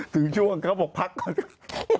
ถึงช่วงเขาบอกพักก่อน